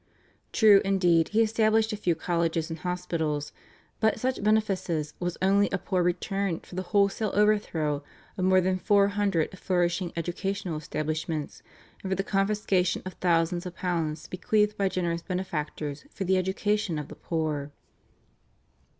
True, indeed, he established a few colleges and hospitals, but such beneficence was only a poor return for the wholesale overthrow of more than four hundred flourishing educational establishments, and for the confiscation of thousands of pounds bequeathed by generous benefactors for the education of the poor.